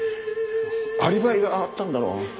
アリバイがあったんだろ。